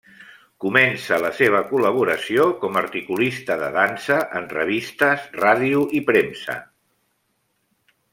Comença la seva col·laboració com articulista de dansa en revistes, ràdio i premsa.